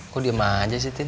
kok diem aja sih tini